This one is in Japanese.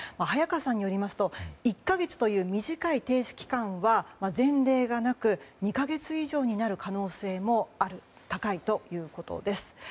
早川さんによりますと１か月という短い停止期間は前例がなく２か月以上になる可能性も高いということです。